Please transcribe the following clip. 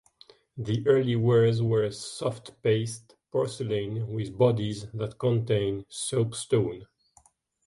The early wares were soft-paste porcelain with bodies that contained soapstone.